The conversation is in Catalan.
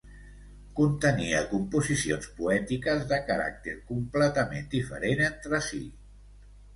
Contenia composicions poètiques de caràcter completament diferent entre si.